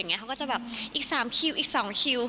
เขาก็จะแบบอีก๓คิวอีก๒คิว